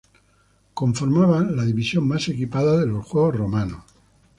Conformaban la división más equipada de los juegos romanos.